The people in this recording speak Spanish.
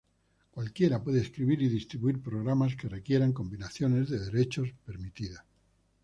Cualquiera puede escribir y distribuir programas que requieran combinaciones de derechos permitidas.